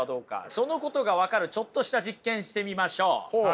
そのことが分かるちょっとした実験してみましょう！